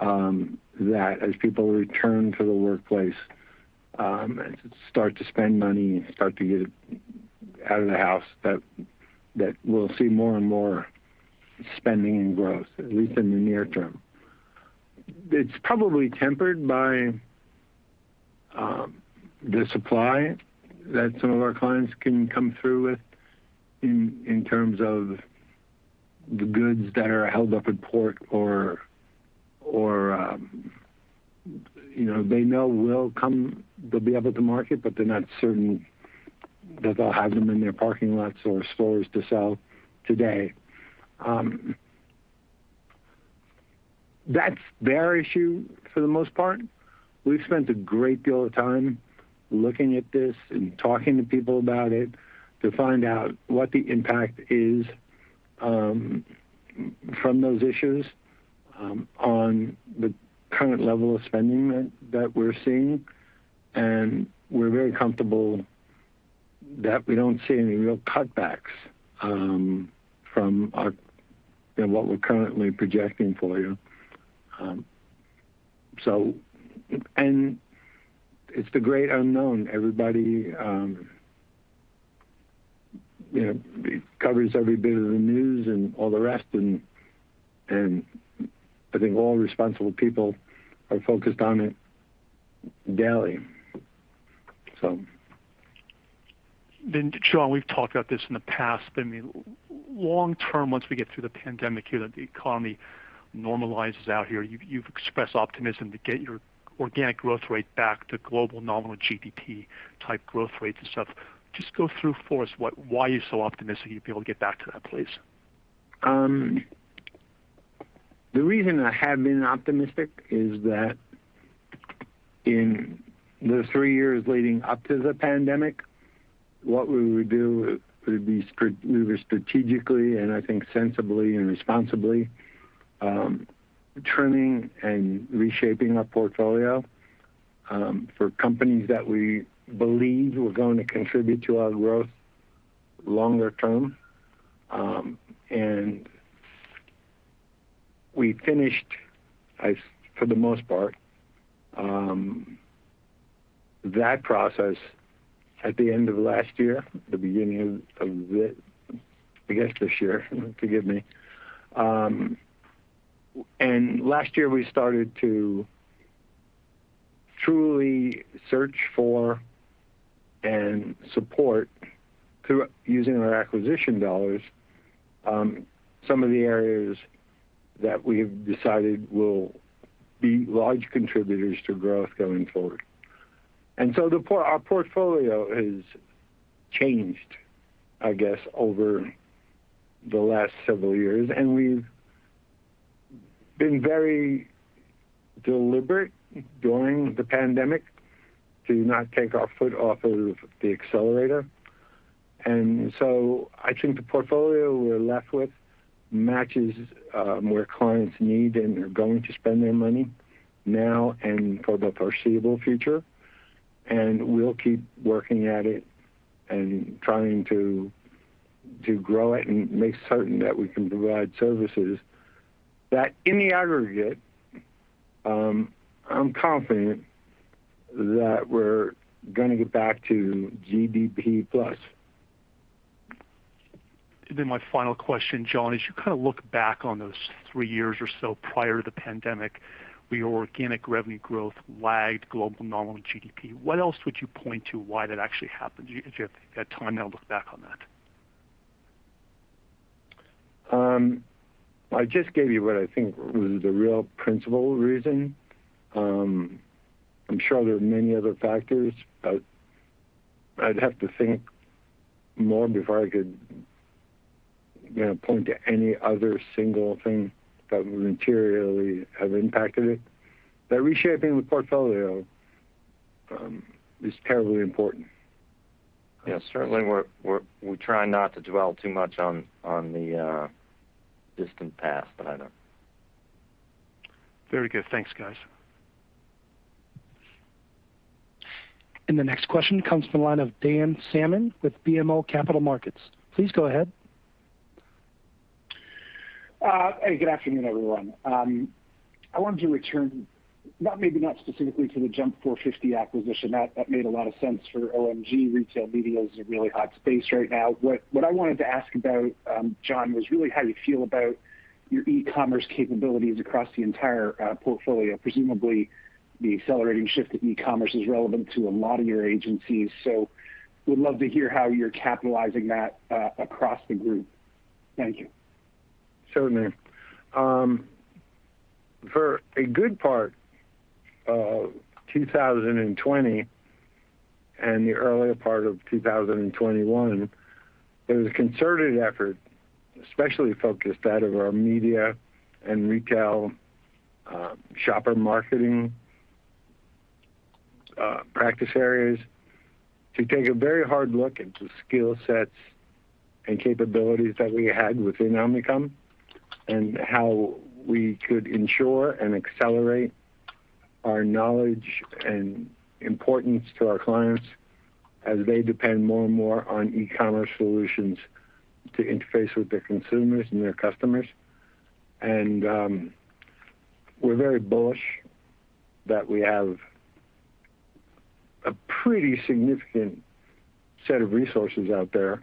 that as people return to the workplace and start to spend money and start to get out of the house, that we'll see more and more spending and growth, at least in the near term. It's probably tempered by the supply that some of our clients can come through with in terms of the goods that are held up at port or they know will come. They'll be able to market, but they're not certain that they'll have them in their parking lots or stores to sell today. That's their issue for the most part. We've spent a great deal of time looking at this and talking to people about it to find out what the impact is from those issues on the current level of spending that we're seeing. And we're very comfortable that we don't see any real cutbacks from what we're currently projecting for you. It's the great unknown. It covers every bit of the news and all the rest, and I think all responsible people are focused on it daily. John, we've talked about this in the past. Long term, once we get through the pandemic here, the economy normalizes out here. You've expressed optimism to get your organic growth rate back to global nominal GDP-type growth rates and stuff. Just go through for us why you're so optimistic you'll be able to get back to that place. The reason I have been optimistic is that in the three years leading up to the pandemic, what we would do would be move strategically and I think sensibly and responsibly, trimming and reshaping our portfolio for companies that we believed were going to contribute to our growth longer term. We finished, for the most part, that process at the end of last year, the beginning of this year, forgive me. Last year, we started to truly search for and support, through using our acquisition dollars, some of the areas that we have decided will be large contributors to growth going forward. Our portfolio has changed, I guess, over the last several years, and we've been very deliberate during the pandemic to not take our foot off of the accelerator. I think the portfolio we're left with matches where clients need and are going to spend their money now and for the foreseeable future. We'll keep working at it and trying to grow it and make certain that we can provide services that, in the aggregate, I'm confident that we're going to get back to GDP+. My final question, John, as you look back on those three years or so prior to the pandemic, where your organic revenue growth lagged global nominal GDP, what else would you point to why that actually happened? If you have time now to look back on that. I just gave you what I think was the real principal reason. I'm sure there are many other factors, but I'd have to think more before I could point to any other single thing that would materially have impacted it. That reshaping the portfolio is terribly important. Yeah, certainly, we try not to dwell too much on the distant past, but I know. Very good. Thanks, guys. The next question comes from the line of Dan Salmon with BMO Capital Markets. Please go ahead. Hey, good afternoon, everyone. I wanted to return, maybe not specifically to the Jump 450 acquisition. That made a lot of sense for OMG. Retail media is a really hot space right now. What I wanted to ask about, John, was really how you feel about your e-commerce capabilities across the entire portfolio. Presumably, the accelerating shift to e-commerce is relevant to a lot of your agencies. Would love to hear how you're capitalizing that across the group. Thank you. Certainly. For a good part of 2020 and the earlier part of 2021, there was a concerted effort, especially focused out of our media and retail shopper marketing practice areas to take a very hard look into skill sets and capabilities that we had within Omnicom, and how we could ensure and accelerate our knowledge and importance to our clients as they depend more and more on e-commerce solutions to interface with their consumers and their customers. We're very bullish that we have a pretty significant set of resources out there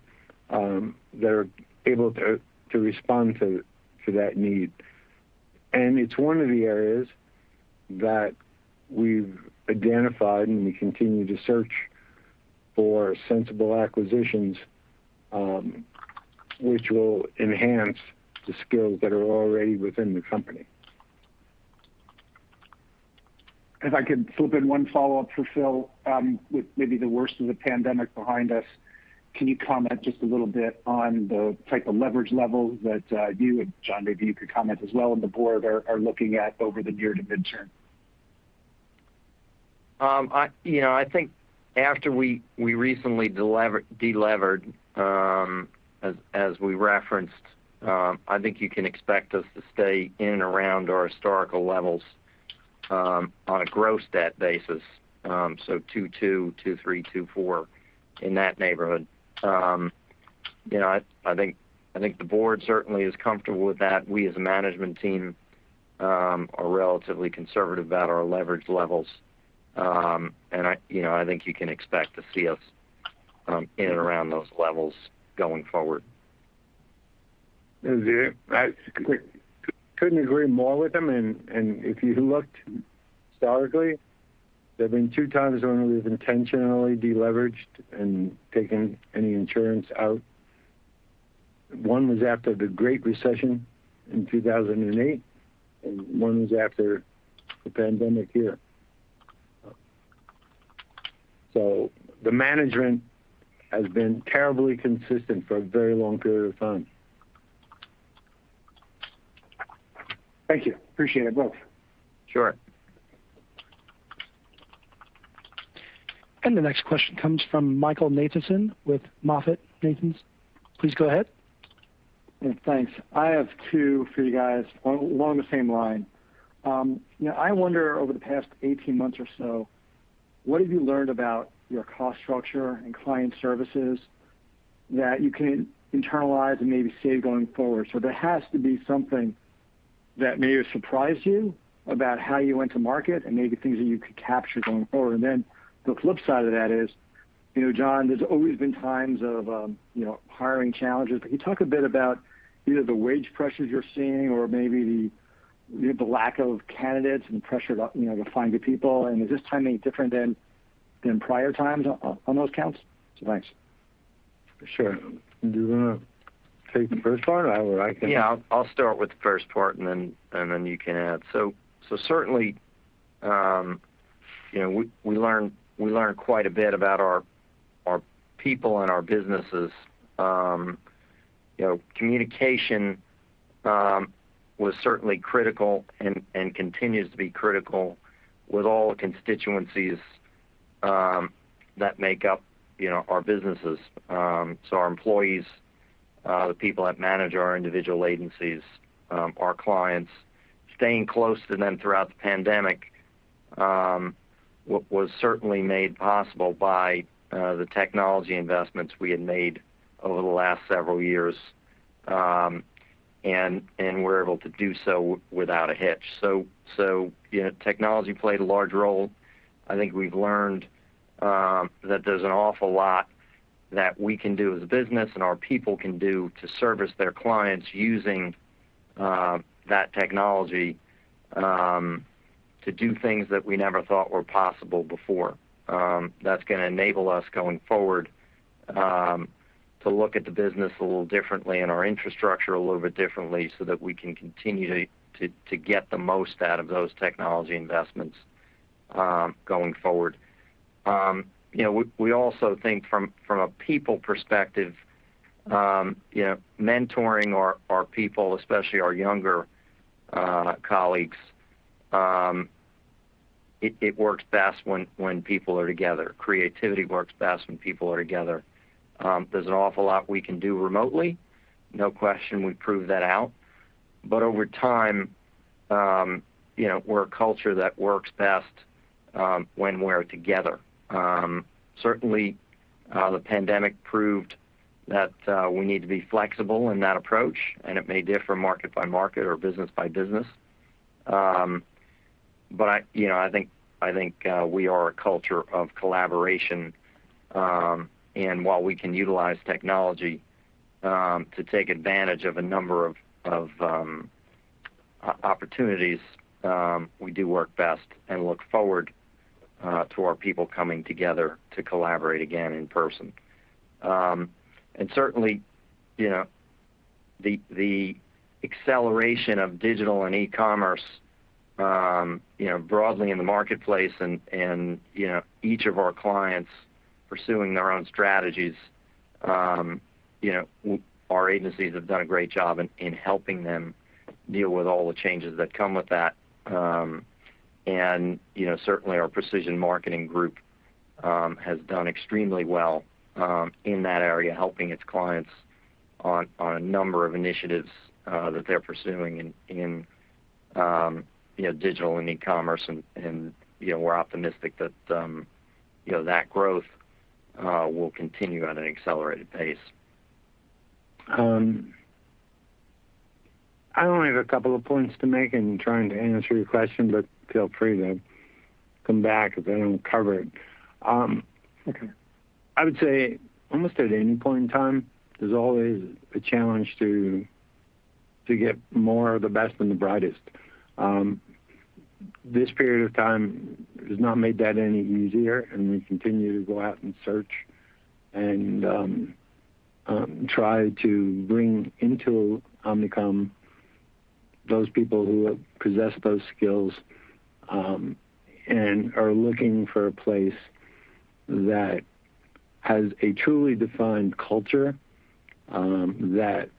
that are able to respond to that need. It's one of the areas that we've identified, and we continue to search for sensible acquisitions, which will enhance the skills that are already within the company. If I could slip in one follow-up for Phil. With maybe the worst of the pandemic behind us, can you comment just a little bit on the type of leverage levels that you, and John maybe you could comment as well, and the board are looking at over the near to mid-term? I think after we recently de-levered, as we referenced, I think you can expect us to stay in and around our historical levels on a gross debt basis, so 2.2, 2.3, 2.4, in that neighborhood. I think the board certainly is comfortable with that. We as a management team are relatively conservative about our leverage levels. I think you can expect to see us in and around those levels going forward. I couldn't agree more with him, and if you looked historically, there have been two times when we've intentionally de-leveraged and taken any insurance out. One was after the Great Recession in 2008, and one was after the pandemic year. The management has been terribly consistent for a very long period of time. Thank you. Appreciate it, both. Sure. The next question comes from Michael Nathanson with MoffettNathanson. Please go ahead. Thanks. I have two for you guys, along the same line. I wonder, over the past 18 months or so, what have you learned about your cost structure and client services that you can internalize and maybe save going forward? There has to be something that maybe has surprised you about how you went to market and maybe things that you could capture going forward. The flip side of that is, John, there's always been times of hiring challenges. Can you talk a bit about either the wage pressures you're seeing or maybe the lack of candidates and pressure to find good people, and is this time any different than prior times on those counts? Thanks. Sure. Do you want to take the first part, or I can? Yeah, I'll start with the first part, you can add. Certainly, we learned quite a bit about our people and our businesses. Communication was certainly critical, and continues to be critical with all the constituencies that make up our businesses, our employees, the people that manage our individual agencies, our clients. Staying close to them throughout the pandemic was certainly made possible by the technology investments we had made over the last several years, and were able to do so without a hitch. Technology played a large role. I think we've learned that there's an awful lot that we can do as a business and our people can do to service their clients using that technology to do things that we never thought were possible before. That's going to enable us, going forward, to look at the business a little differently and our infrastructure a little bit differently so that we can continue to get the most out of those technology investments going forward. We also think from a people perspective, mentoring our people, especially our younger colleagues, it works best when people are together. Creativity works best when people are together. There's an awful lot we can do remotely, no question, we've proved that out. Over time, we're a culture that works best when we're together. Certainly, the pandemic proved that we need to be flexible in that approach, and it may differ market by market or business by business. I think we are a culture of collaboration, and while we can utilize technology to take advantage of a number of opportunities, we do work best and look forward to our people coming together to collaborate again in person. Certainly, the acceleration of digital and e-commerce broadly in the marketplace and each of our clients pursuing their own strategies. Our agencies have done a great job in helping them deal with all the changes that come with that. Certainly our Precision Marketing Group has done extremely well in that area, helping its clients on a number of initiatives that they're pursuing in digital and e-commerce. We're optimistic that growth will continue at an accelerated pace. I only have a couple of points to make in trying to answer your question, but feel free to come back if I don't cover it. Okay. I would say almost at any point in time, there's always a challenge to get more of the best and the brightest. This period of time has not made that any easier, we continue to go out and search and try to bring into Omnicom those people who possess those skills and are looking for a place that has a truly defined culture, that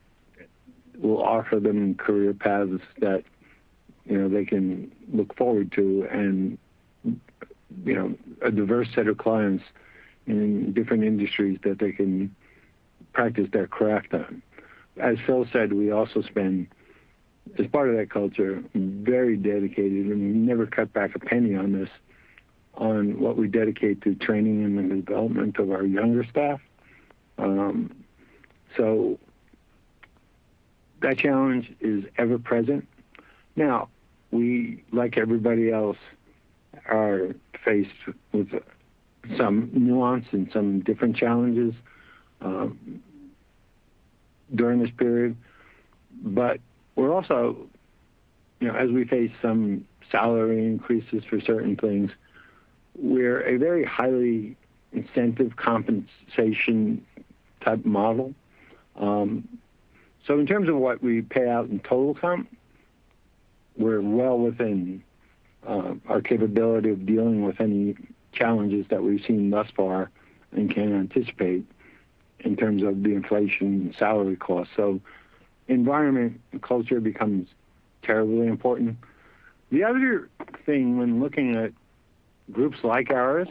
will offer them career paths that they can look forward to, and a diverse set of clients in different industries that they can practice their craft on. As Phil said, we also spend, as part of that culture, very dedicated, we never cut back a penny on this, on what we dedicate to training and the development of our younger staff. That challenge is ever present. We, like everybody else, are faced with some nuance and some different challenges during this period. But we are also, as we face some salary increases for certain things, we are a very highly incentive compensation type model. In terms of what we pay out in total comp, we are well within our capability of dealing with any challenges that we have seen thus far and can anticipate in terms of the inflation and salary cost. Environment and culture becomes terribly important. The other thing when looking at groups like ours,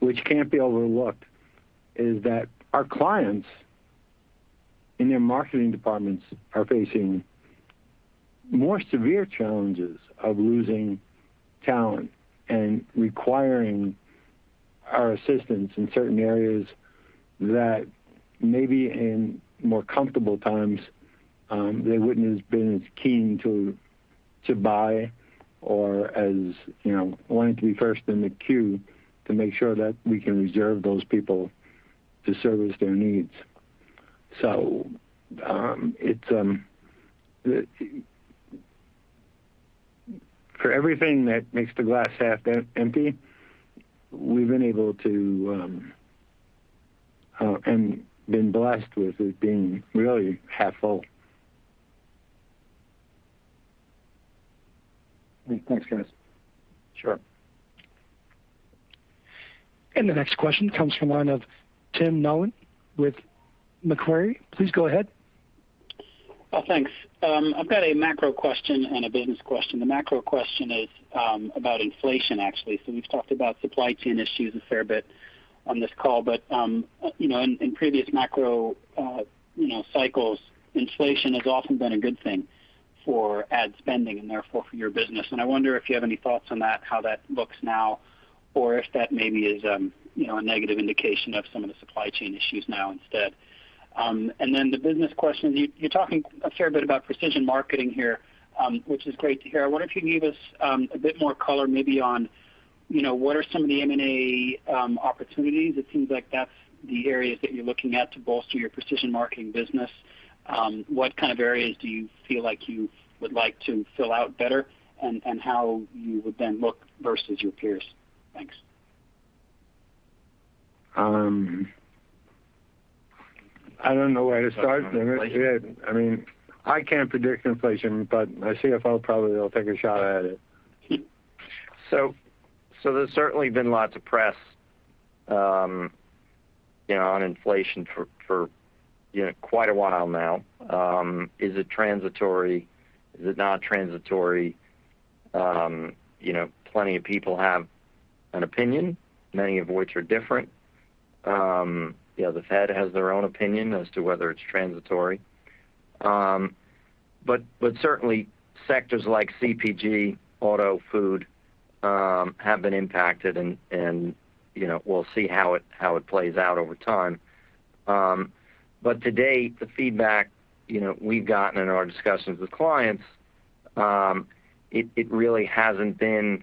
which cannot be overlooked, is that our clients and their marketing departments are facing more severe challenges of losing talent and requiring our assistance in certain areas that maybe in more comfortable times, they would not have been as keen to buy or as wanting to be first in the queue to make sure that we can reserve those people to service their needs. For everything that makes the glass half empty, we've been able to and been blessed with it being really half full. Thanks, guys. Sure. The next question comes from one of Tim Nollen with Macquarie. Please go ahead. Oh, thanks. I've got a macro question and a business question. The macro question is about inflation, actually. We've talked about supply chain issues a fair bit on this call. In previous macro cycles, inflation has often been a good thing for ad spending and therefore for your business. I wonder if you have any thoughts on that, how that looks now, or if that maybe is a negative indication of some of the supply chain issues now instead. The business question, you're talking a fair bit about precision marketing here, which is great to hear. I wonder if you can give us a bit more color maybe on what are some of the M&A opportunities. It seems like that's the areas that you're looking at to bolster your precision marketing business. What kind of areas do you feel like you would like to fill out better, and how you would then look versus your peers? Thanks. I don't know where to start, Tim. I can't predict inflation, but my CFO probably will take a shot at it. There's certainly been lots of press on inflation for quite a while now. Is it transitory? Is it not transitory? Plenty of people have an opinion, many of which are different. The Fed has their own opinion as to whether it's transitory. Certainly, sectors like CPG, auto, food, have been impacted and we'll see how it plays out over time. To date, the feedback we've gotten in our discussions with clients, it really hasn't been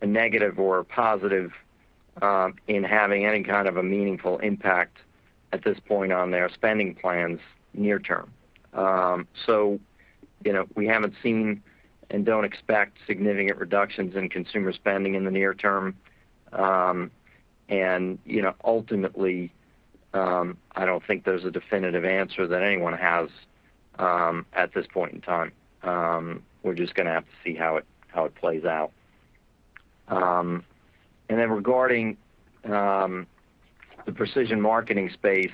a negative or a positive in having any kind of a meaningful impact at this point on their spending plans near term. We haven't seen and don't expect significant reductions in consumer spending in the near term. Ultimately I don't think there's a definitive answer that anyone has at this point in time. We're just going to have to see how it plays out. Then regarding the precision marketing space,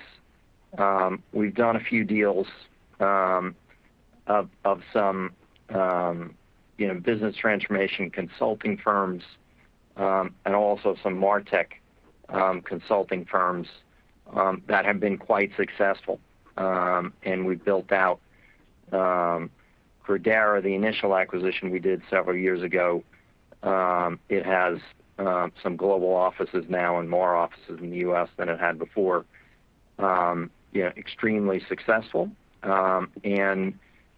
we've done a few deals of some business transformation consulting firms, and also some MarTech consulting firms that have been quite successful. We've built out for Credera, the initial acquisition we did several years ago. It has some global offices now and more offices in the U.S. than it had before. Extremely successful.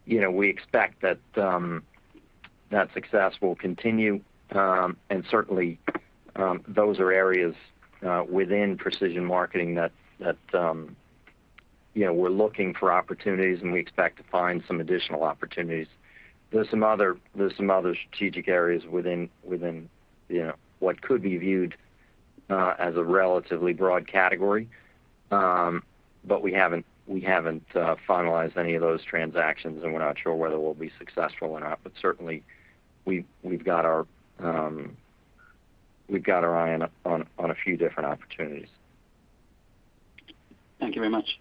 We expect that success will continue. Certainly, those are areas within precision marketing that we're looking for opportunities, and we expect to find some additional opportunities. There's some other strategic areas within what could be viewed as a relatively broad category. We haven't finalized any of those transactions, and we're not sure whether we'll be successful or not. Certainly, we've got our eye on a few different opportunities. Thank you very much.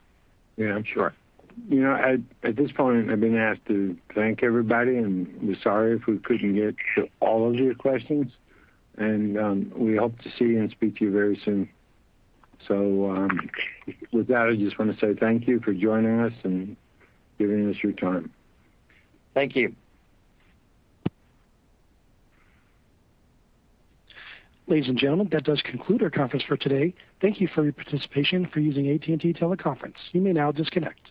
Yeah, sure. At this point, I've been asked to thank everybody. We're sorry if we couldn't get to all of your questions. We hope to see you and speak to you very soon. With that, I just want to say thank you for joining us and giving us your time. Thank you. Ladies and gentlemen, that does conclude our conference for today. Thank you for your participation and for using AT&T Teleconference. You may now disconnect.